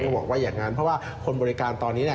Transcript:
บอกว่าอย่างนั้นเพราะว่าคนบริการตอนนี้